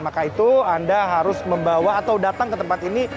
maka itu anda harus membawa atau datang ke tempat ini